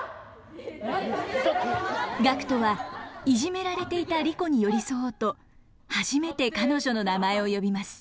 ガクトはいじめられていたリコに寄り添おうと初めて彼女の名前を呼びます。